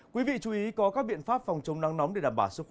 quý vị chú ý có các biện pháp phòng chống nắng nóng để đảm bảo sức khỏe